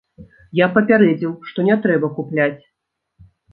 Я папярэдзіў, што не трэба купляць.